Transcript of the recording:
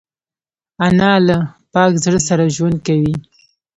انا له پاک زړه سره ژوند کوي